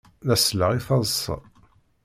La selleɣ i taḍsa.